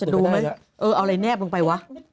เออเอาอะไรแนบลงไปวะ